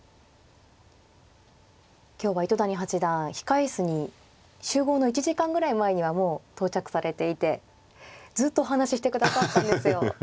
今日は糸谷八段控え室に集合の１時間ぐらい前にはもう到着されていてずっとお話ししてくださったんですよ。